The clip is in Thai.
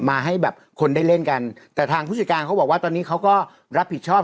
มาให้แบบคนได้เล่นกันแต่ทางผู้จัดการเขาบอกว่าตอนนี้เขาก็รับผิดชอบ